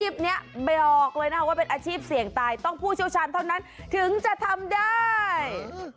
นี้บอกเลยนะว่าเป็นอาชีพเสี่ยงตายต้องผู้เชี่ยวชาญเท่านั้นถึงจะทำได้